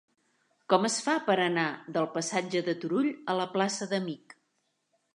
Com es fa per anar del passatge de Turull a la plaça d'Amich?